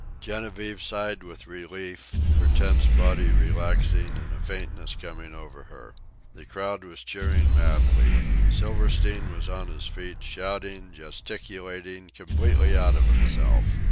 Genevieve sighed with relief, her tense body relaxing and a faintness coming over her. The crowd was cheering madly. Silverstein was on his feet, shouting, gesticulating, completely out of himself.